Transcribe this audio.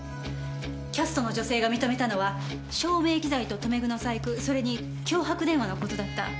キャストの女性が認めたのは照明機材と留め具の細工それに脅迫電話のことだった。